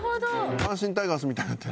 阪神タイガースみたいになってる。